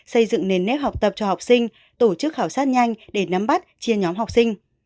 xây dựng nền nếp học tập cho học sinh tổ chức khảo sát nhanh để nắm bắt chia nhóm học sinh